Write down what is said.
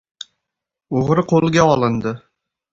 O‘g‘ri qo‘lga olindi